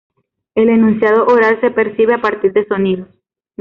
El enunciado oral se percibe a partir de sonidos.